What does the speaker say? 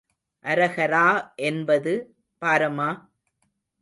அரகரா என்பது பாரமா?